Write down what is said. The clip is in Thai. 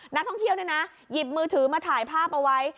นักท่องเที่ยวเนี่ยนะหยิบมือถือมาถ่ายภาพเอาไว้